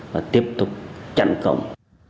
và tiếp tục chặn cổng